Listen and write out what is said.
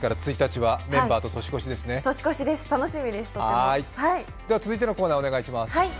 では続いてのコーナーお願いします。